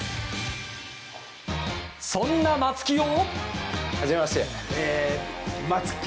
そんな松木を。